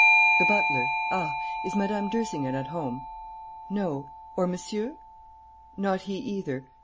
The butler? Ah! Is Mme. d'Ersingen at home?... No?... Or Monsieur?... Not he, either?...